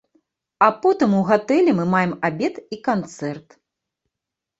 А потым у гатэлі мы маем абед і канцэрт.